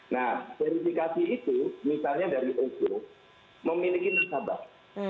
nah verifikasi itu misalnya dari oso memiliki nasabah